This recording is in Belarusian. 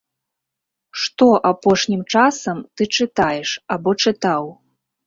Што апошнім часам ты чытаеш або чытаў?